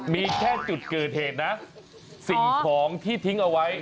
มีแค่จุดเกิดเหตุนะสิ่งของที่ทิ้งเอาไว้